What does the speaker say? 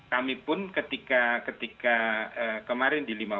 kami pun ketika kita mencari pekerjaan di rumah